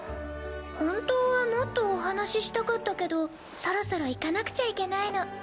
本当はもっとお話ししたかったけどそろそろ行かなくちゃいけないの。